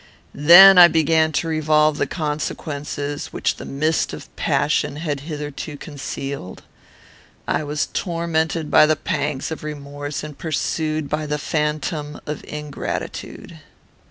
"Then I began to revolve the consequences, which the mist of passion had hitherto concealed. I was tormented by the pangs of remorse, and pursued by the phantom of ingratitude.